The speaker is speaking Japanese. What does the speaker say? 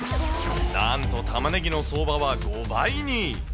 なんとたまねぎの相場は５倍に。